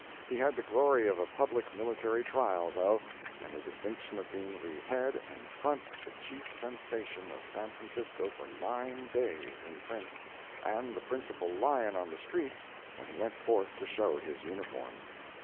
He had the glory of a public military trial, though, and the distinction of being the head and front of the chief sensation of San Francisco for nine days, in print, and the principal lion on the street when he went forth to show his uniform.